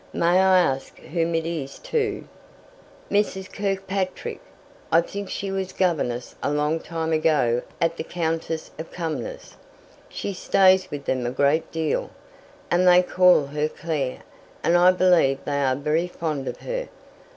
May I ask whom it is to?" "Mrs. Kirkpatrick. I think she was governess a long time ago at the Countess of Cumnor's. She stays with them a great deal, and they call her Clare, and I believe they are very fond of her."